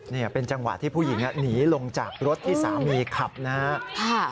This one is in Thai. นี่เป็นจังหวะที่ผู้หญิงหนีลงจากรถที่สามีขับนะครับ